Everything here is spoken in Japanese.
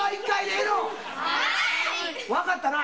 「分かったな？」